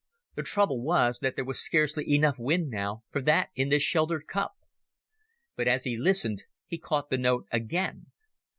The trouble was that there was scarcely enough wind now for that in this sheltered cup. But as he listened he caught the note again.